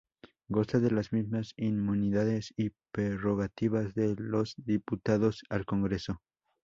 Goza de las mismas inmunidades y prerrogativas de los diputados al Congreso.